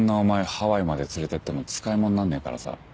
ハワイまで連れてっても使い物なんねえからさ。